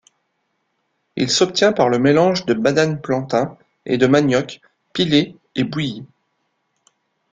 Il s'obtient par le mélange de banane plantain et de manioc, pilés et bouillis.